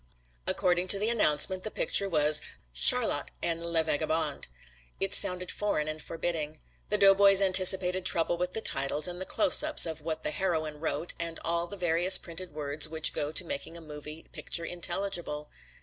According to the announcement the picture was "Charlot en 'Le Vagabond.'" It sounded foreign and forbidding. The doughboys anticipated trouble with the titles and the closeups of what the heroine wrote and all the various printed words which go to make a moving picture intelligible.